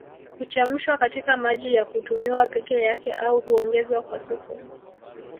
Huchemshwa katika maji na kutumiwa peke yake au huongezwa kwa supu